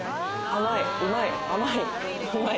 甘い、うまい。